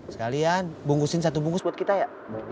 sekalian bungkusin satu bungkus buat kita ya